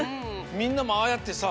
みんなもああやってさ